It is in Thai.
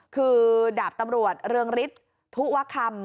คือดาบตำรวจเรืองฤทธิ์ทุวคำ